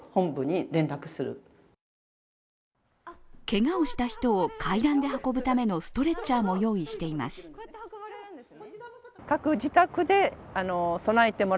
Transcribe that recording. けがをした人を階段で運ぶためのストレッチャーも用意しています。